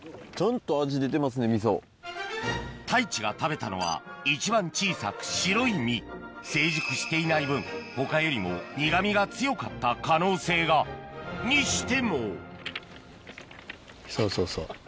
太一が食べたのは一番小さく白い実成熟していない分他よりも苦味が強かった可能性がにしてもそうそうそう。